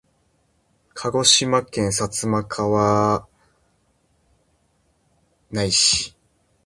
鹿児島県薩摩川内市